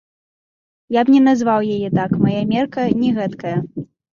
Я б не назваў яе так, мая мерка не гэткая.